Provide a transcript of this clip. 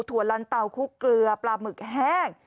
ถั่นเตาคุกเกลือปลาหมึกแห้ง